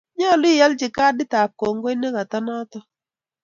Nyolu ialchi kadit ab kongoi nekato notok